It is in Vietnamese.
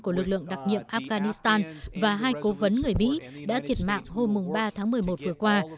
của lực lượng đặc nhiệm afghanistan và hai cố vấn người mỹ đã thiệt mạng hôm ba tháng một mươi một vừa qua